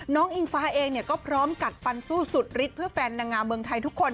อิงฟ้าเองก็พร้อมกัดฟันสู้สุดฤทธิเพื่อแฟนนางงามเมืองไทยทุกคน